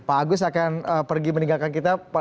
pak agus akan pergi meninggalkan kita